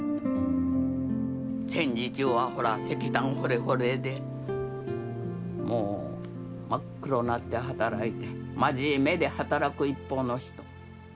戦時中はほら石炭掘れ掘れでもう真っ黒なって働いて真面目で働く一方の人。